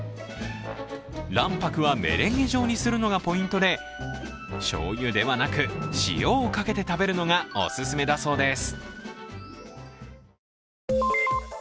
卵白はメレンゲ状にするのがポイントでしょうゆではなく塩をかけて食べるのがお勧めだそうです。